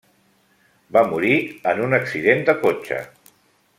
Va morir en un accident de cotxe.